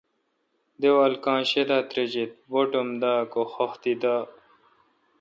داول کاں شی دا تریجیت، باٹ اُم دہ کہ خختی ام دا۔